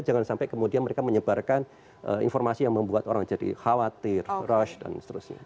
jangan sampai kemudian mereka menyebarkan informasi yang membuat orang jadi khawatir rush dan seterusnya